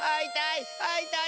あいたい！